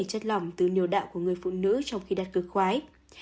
chất lỏng từ niệu đạo của người phụ nữ trong khi đạt cực khoái